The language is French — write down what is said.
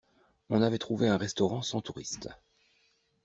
On avait trouvé un restaurant sans touristes.